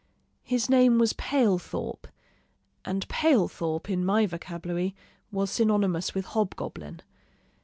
His name was Palethorp; and Palethorp, in my vocabulary, was synonymous with hobgoblin.